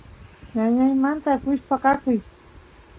ñañaymanta akush paqakuy